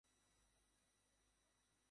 তা আমি রাজি আছি।